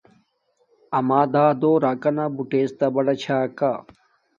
اما دادو راکانا بوتڎتا بڑا چھا کا